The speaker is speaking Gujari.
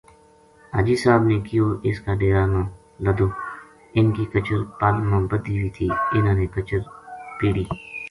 حاجی صاحب نے کہیو اس کا ڈیرا نا لَدو اِنھ کی کچر پل ما بَدھی وی تھی اِنھاں نے کچر پِیڑی